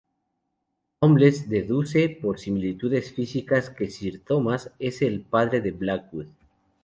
Holmes deduce, por similitudes físicas que Sir Thomas es el padre de Blackwood.